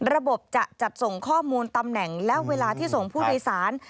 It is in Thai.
ระบบจะจัดส่งข้อมูลตำแหน่งและเวลาที่ส่งผู้โดยสาร